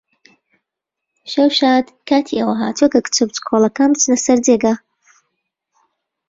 شەو شاد! کاتی ئەوە هاتووە کە کچە بچکۆڵەکەکان بچنە سەر جێگا.